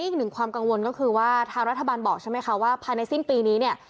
อีกหนึ่งความกังวลก็คือว่าทางรัฐบาลบอกใช่ไหมคะว่าภายในสิ้นปีนี้เนี่ย